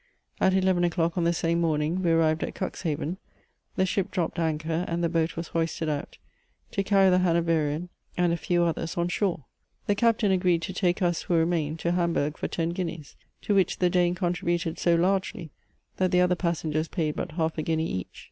At eleven o'clock on the same morning we arrived at Cuxhaven, the ship dropped anchor, and the boat was hoisted out, to carry the Hanoverian and a few others on shore. The captain agreed to take us, who remained, to Hamburg for ten guineas, to which the Dane contributed so largely, that the other passengers paid but half a guinea each.